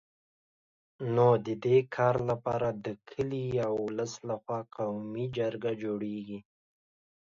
نو د دي کار دپاره د کلي یا ولس له خوا قومي جرګه جوړېږي